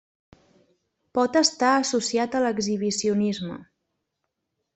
Pot estar associat a l'exhibicionisme.